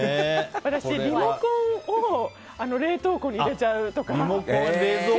私、リモコンを冷凍庫に入れちゃうとか。